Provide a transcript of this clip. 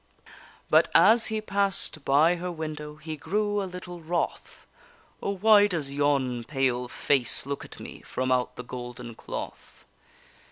But as he pass'd by her window He grew a little wroth: O, why does yon pale face look at me From out the golden cloth?